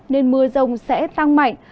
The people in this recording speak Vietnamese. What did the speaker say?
nên mưa rông sẽ tăng mạnh